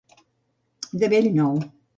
De bell nou.